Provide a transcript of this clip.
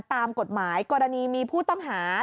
ตามกฎหมายกรณีมีผู้ต้องหา